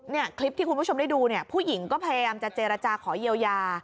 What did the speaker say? เนี่ยคลิปที่คุณผู้ชมได้ดูเนี่ยผู้หญิงก็พยายามจะเจรจาขอเยียวยา